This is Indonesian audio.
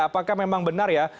apakah memang benar ya